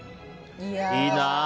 いいな。